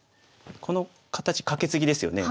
この形カケツギですよね。